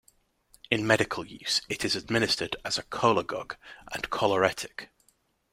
In medical use, it is administered as a cholagogue and choleretic.